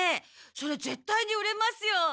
それぜったいに売れますよ！